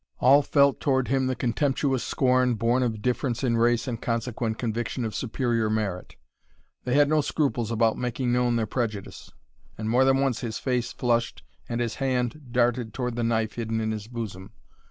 All felt toward him the contemptuous scorn born of difference in race and consequent conviction of superior merit. They had no scruples about making known their prejudice, and more than once his face flushed and his hand darted toward the knife hidden in his bosom.